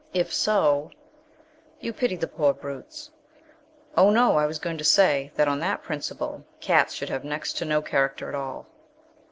If so " "You pity the poor brutes?" "Oh no. I was going to say that on that principle cats should have next to no character at all."